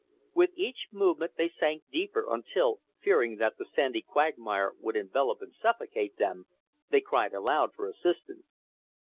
With each movement they sank deeper, until, fearing that the sandy quagmire would envelop and suffocate them, they cried aloud for assistance.